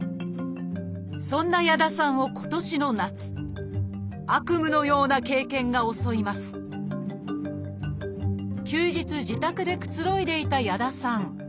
そんな矢田さんを今年の夏悪夢のような経験が襲います休日自宅でくつろいでいた矢田さん。